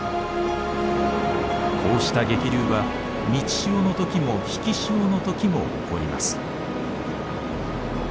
こうした激流は満ち潮の時も引き潮の時も起こります。